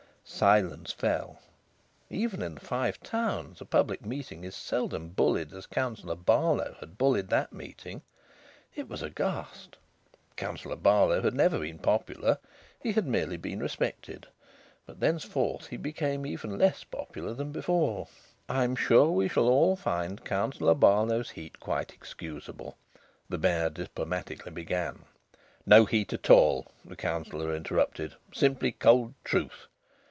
Silence fell. Even in the Five Towns a public meeting is seldom bullied as Councillor Barlow had bullied that meeting. It was aghast. Councillor Barlow had never been popular: he had merely been respected; but thenceforward he became even less popular than before. "I'm sure we shall all find Councillor Barlow's heat quite excusable " the Mayor diplomatically began. "No heat at all," the Councillor interrupted. "Simply cold truth!"